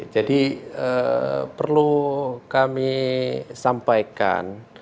jadi perlu kami sampaikan